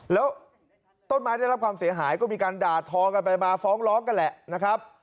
แล้วต้นไม้ได้รับความเสียหายก็มีการด่าทอกันไปมาฟ้องร้องกันแหละนะครับ